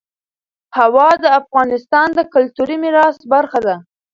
هوا د افغانستان د کلتوري میراث برخه ده.